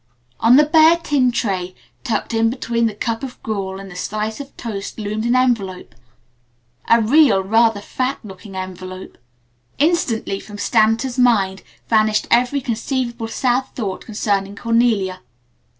On the bare tin tray, tucked in between the cup of gruel and the slice of toast loomed an envelope a real, rather fat looking envelope. Instantly from Stanton's mind vanished every conceivable sad thought concerning Cornelia.